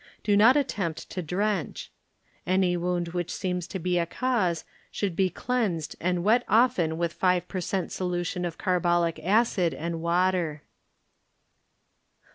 Do not attempt to drench. Any wound which seems to be a cause should be cleansed and wet often with five per cent, solution of car bolic acid and water.